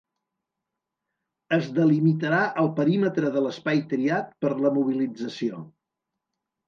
Es delimitarà el perímetre de l’espai triat per la mobilització.